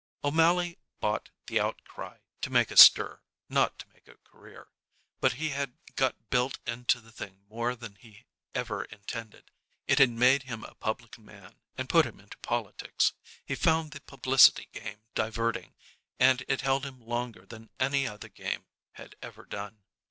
O'Mally bought "The Outcry" to make a stir, not to make a career, but he had got built into the thing more than he ever intended. It had made him a public man and put him into politics. He found the publicity game diverting, and it held him longer than any other game had ever done.